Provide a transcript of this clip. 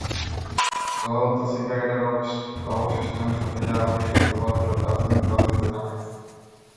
জ্বলন্ত সিগারেটের অবশিষ্টাংশ থেকে আগুনের সূত্রপাত বলে প্রাথমিক তদন্তে জানা গেছে।